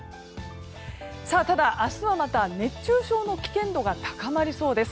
ただ、明日はまた熱中症の危険度が高まりそうです。